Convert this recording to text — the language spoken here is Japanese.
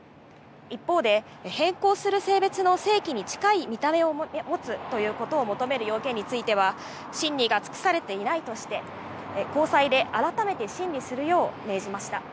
一方で、変更する性別の性器に近い見た目をもつということを求める要件については、審理が尽くされていないとして、高裁で改めて審理するよう命じました。